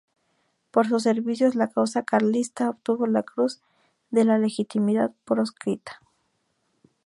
Por sus servicios a la causa carlista, obtuvo la Cruz de la Legitimidad Proscrita.